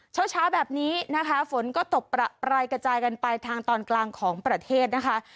เช้าเช้าแบบนี้นะคะฝนก็ตกประปรายกระจายกันไปทางตอนกลางของประเทศนะคะ